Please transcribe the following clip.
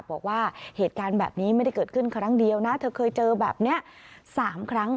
บอกว่าเหตุการณ์แบบนี้ไม่ได้เกิดขึ้นครั้งเดียวนะเธอเคยเจอแบบนี้๓ครั้ง